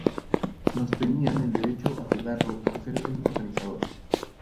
Los tenían el derecho a jugarlo por ser el organizador.